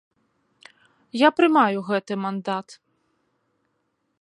Я прымаю гэты мандат.